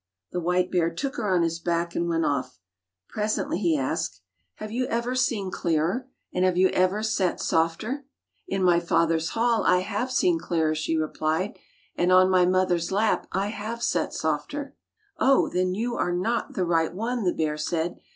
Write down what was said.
The white bear took her on his back and went off. Presently he asked, "Have you 128 Fairy Tale Bears ever seen clearer, and have you ever sat softer?" "In my father's hall I have seen clearer," she replied, "and on my mother's lap I have sat softer."' "Oh, then you are not the right one!" the bear said.